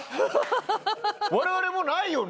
我々もうないよね？